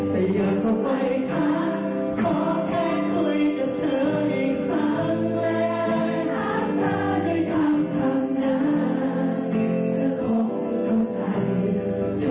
แต่อย่าเข้าไปถ้าขอแค่คุยกับเธออีกสักแรก